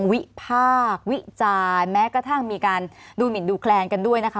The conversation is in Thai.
วิพากษ์วิจารณ์แม้กระทั่งมีการดูหมินดูแคลนกันด้วยนะคะ